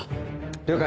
了解。